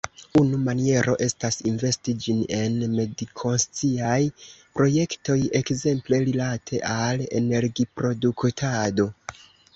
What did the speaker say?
Unu maniero estas investi ĝin en medikonsciaj projektoj, ekzemple rilate al energiproduktado.